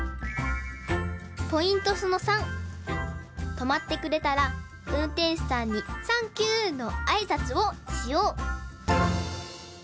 とまってくれたらうんてんしゅさんに「サンキュー！」のあいさつをしよう！